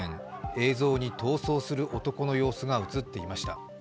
映像に逃走する男の様子が映っていました。